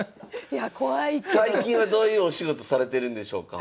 最近はどういうお仕事されてるんでしょうか？